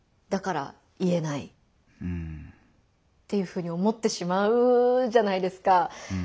だから言えないっていうふうに思ってしまうじゃないですか。